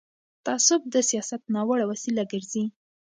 تعصب د سیاست ناوړه وسیله ګرځي